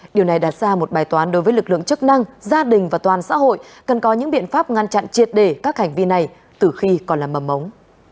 điều này đặt ra một bài toán đối với lực lượng chức năng gia đình và toàn xã hội cần có những biện pháp ngăn chặn triệt để các hành vi này từ khi còn là mầm ống